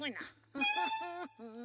「フフフフ」